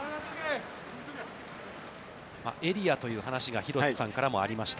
エリアという話が廣瀬さんからもありました。